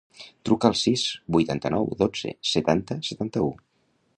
Truca al sis, vuitanta-nou, dotze, setanta, setanta-u.